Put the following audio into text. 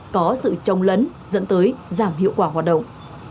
có sự trồng lấn dẫn tới giảm hiệu quả hoạt động